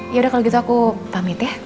yaudah kalau gitu aku pamit ya